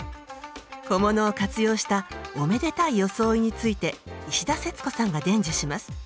小物を活用したおめでたい装いについて石田節子さんが伝授します。